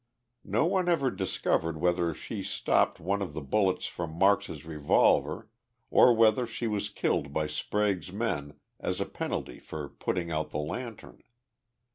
No one ever discovered whether she stopped one of the bullets from Marks's revolver or whether she was killed by Sprague's men as a penalty for putting out the lantern.